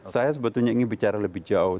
saya sebetulnya ingin bicara lebih jauh